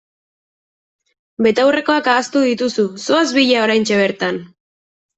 Betaurrekoak ahaztu dituzu, zoaz bila oraintxe bertan!